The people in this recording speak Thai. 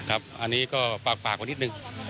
อันนี้ก็ปากปากกว่านิดนึง